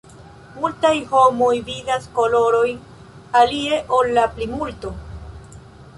Multa homoj vidas kolorojn alie ol la plimulto.